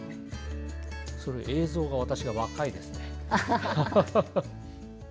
映像の私が若いですね。